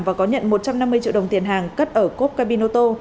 và có nhận một trăm năm mươi triệu đồng tiền hàng cất ở cô cà binh ô tô